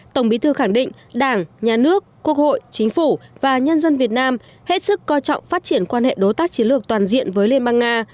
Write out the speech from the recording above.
tổng bí thư khẳng định đảng nhà nước quốc hội chính phủ và nhân dân việt nam hết sức coi trọng phát triển quan hệ đối tác chiến lược toàn diện với liên bang nga